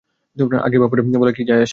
আগে বা পরে বলায় আর কী যায় আসে।